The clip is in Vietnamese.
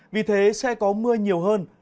vì thế sẽ có mưa nhiều hơn